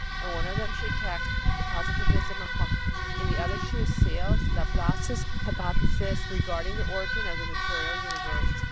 In one of them she attacks the positivism of Comte; in the other she assails Laplace's hypothesis regarding the origin of the material universe.